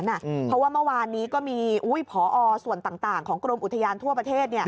เพราะว่าเมื่อวานนี้ก็มีพอส่วนต่างของกรมอุทยานทั่วประเทศ